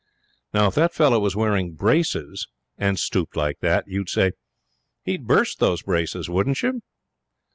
Now, if that fellow was wearing braces and stooped like that, you'd say he'd burst those braces, wouldn't you?'